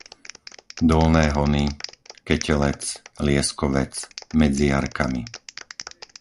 Dolné hony, Ketelec, Lieskovec, Medzi jarkami